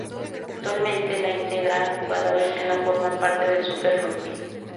Actualmente la integran jugadores que no forman parte del Super Rugby.